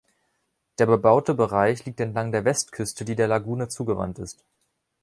Der bebaute Bereich liegt entlang der Westküste, die der Lagune zugewandt ist.